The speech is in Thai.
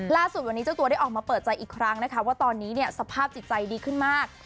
ล่าสุดวันนี้เจ้าตัวได้ออกมาเปิดใจอีกครั้งนะคะว่าตอนนี้เนี่ยสภาพจิตใจดีขึ้นมาก